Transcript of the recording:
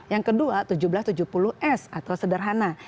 yang kedua seribu tujuh ratus tujuh puluh s atau sederhana